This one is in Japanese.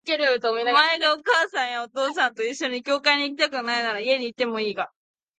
お前がお母さんやお父さんと一緒に教会へ行きたくないのなら、家にいてもいいが、